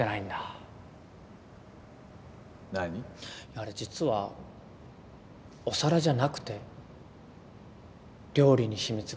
あれ実はお皿じゃなくて料理に秘密があったんですよ。